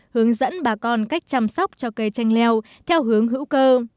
hướng dẫn bà con cách chăm sóc cho cây tranh leo theo hướng hữu cơ